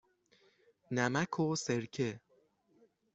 نمک و سرکه.